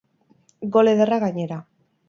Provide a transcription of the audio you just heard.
Gol ederra, gainera.